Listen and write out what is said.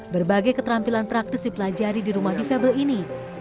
berbagai keterampilan praktis dipelajari di rumah difabel ini